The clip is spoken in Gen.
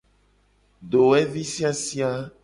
Dowevi siasia.